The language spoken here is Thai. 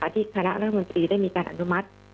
ที่คณะรัฐมนตรีได้มีการอนุมัติ